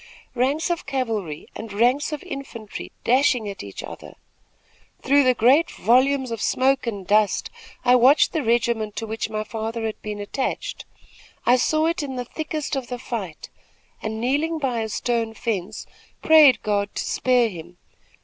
Ranks of cavalry and ranks of infantry dashing at each other. Through the great volumes of smoke and dust, I watched the regiment to which my father had been attached. I saw it in the thickest of the fight and, kneeling by a stone fence, prayed God to spare him.